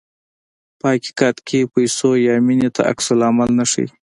په حقیقت کې پیسو یا مینې ته عکس العمل نه ښيي.